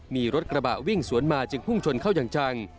มีรถกระบะวิ่งสวนมาจึงพุ่งชนเข้าอย่างจัง